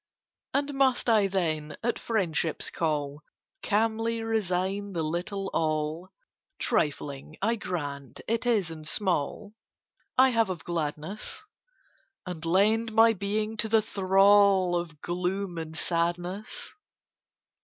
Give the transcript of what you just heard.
And must I then, at Friendship's call, Calmly resign the little all (Trifling, I grant, it is and small) I have of gladness, And lend my being to the thrall Of gloom and sadness?